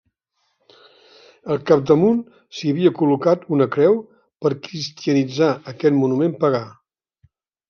Al capdamunt s'hi havia col·locat una creu per cristianitzar aquest monument pagà.